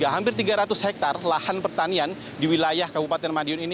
hampir tiga ratus hektare lahan pertanian di wilayah kabupaten madiun ini